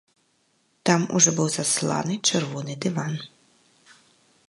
Там ужо быў засланы чырвоны дыван.